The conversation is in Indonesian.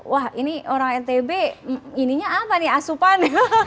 wah ini orang ntb ininya apa nih asupan